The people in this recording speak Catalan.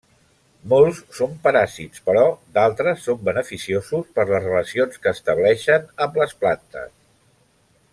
Molts són paràsits però d'altres són beneficiosos per les relacions que estableixen amb les plantes.